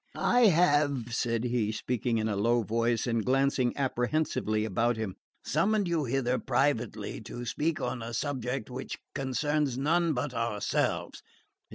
"I have," said he, speaking in a low voice, and glancing apprehensively about him, "summoned you hither privately to speak on a subject which concerns none but ourselves.